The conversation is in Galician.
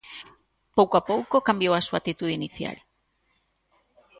Pouco a pouco, cambiou a súa actitude inicial.